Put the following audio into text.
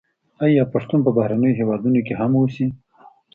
آیا پښتون په بهرنیو هېوادونو کي هم اوسي؟